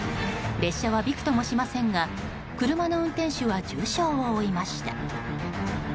列車はびくともしませんが車の運転手は重傷を負いました。